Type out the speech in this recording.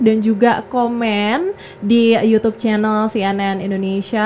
dan juga komen di youtube channel cnn indonesia